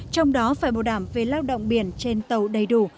trong đó phải bảo đảm về lao động biển trên tàu đầy đủ